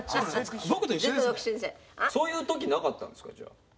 そういう時なかったんですか？